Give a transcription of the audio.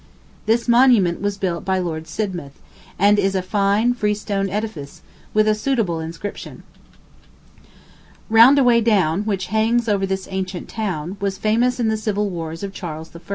This monument was built by Lord Sidmouth, and is a fine freestone edifice, with a suitable inscription. Roundaway Down, which hangs over this ancient town, was famous in the civil wars of Charles I.